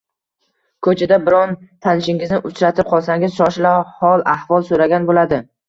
Ko‘chada biron tanishingizni uchratib qolsangiz, shoshila hol-ahvol so‘ragan bo‘ladi.